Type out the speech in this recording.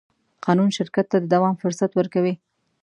قانون شرکت ته د دوام فرصت ورکوي.